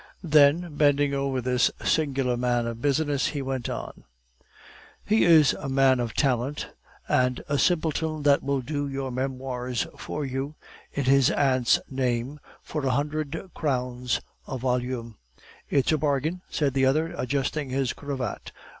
"Then, bending over this singular man of business, he went on: "'He is a man of talent, and a simpleton that will do your memoirs for you, in his aunt's name, for a hundred crowns a volume.' "'It's a bargain,' said the other, adjusting his cravat.